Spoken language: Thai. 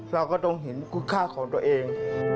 เราก็ต้องเห็นคุณค่าของตัวเอง